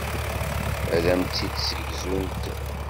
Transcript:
Ad am-tt-id-ssegzunt.